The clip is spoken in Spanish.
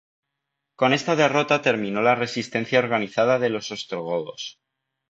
Con esta derrota terminó la resistencia organizada de los ostrogodos.